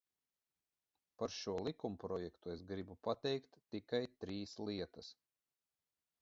Par šo likumprojektu es gribu pateikt tikai trīs lietas.